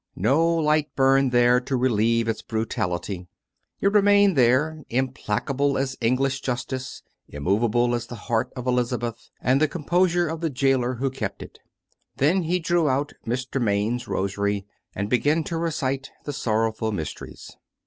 No light burned there to relieve its brutality. It remained there, implacable as English justice, immovable as the heart of Elizabeth and the composure of the gaoler who kept it. ... Then he drew out Mr. Maine's rosary and began to recite the " Sorrowful Mysteries."